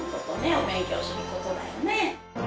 お勉強する事だよね。